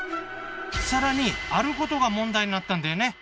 更にあることが問題になったんだよね。